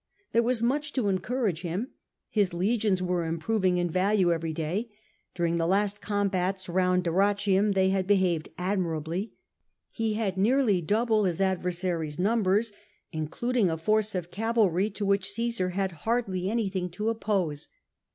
There was much to encourage him : his legions were improving in value every day; during the last combats round Dyrrhachium they had behaved admirably. He had nearly double his adversary's numbers, including a force of cavalry to which Cmsar had hardly anything to oppose.